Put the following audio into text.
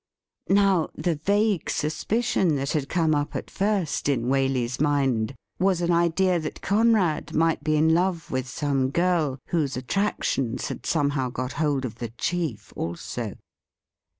Now, the vague suspicion that had come up at first in Waley's mind was an idea that Conrad might be in love with some girl, whose attractions had somehow got hold of the chief also.